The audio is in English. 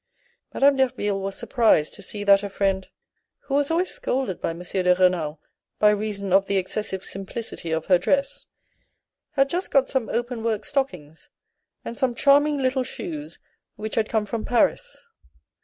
Madame Derville was surprised to see that her friend, who was always scolded by M. de Renal by reason of the excessive simplicity of her dress, had just got some openwork stockings and some charming little shoes which had come from Paris.